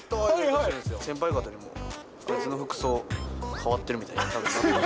先輩方、あいつの服装、変わってるみたいな。